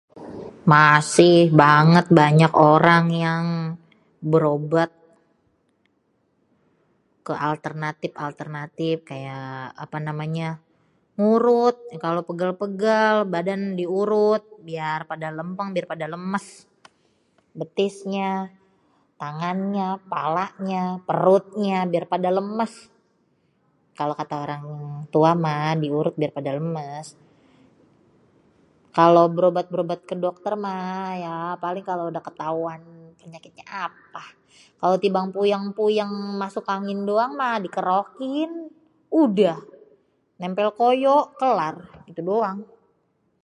Masi banget banyak orang yang berobat ke alternatip alternatip kaya apa namanya ngurut kalo pegel pegel badan diurut biar pada lempeng biar pada lemes, betisnya, tangannya, palanya, perutnya, biar pada lemes. Kalo kata orang tua mah diurut biar pada lemes kalo berobat berobat kedokter mah ya paling kalo dah ketauan penyakitnya apah kalo tibang puyeng-puyeng masuk angin doang mah dikerokin udah tempel koyo kelar, gitu doang.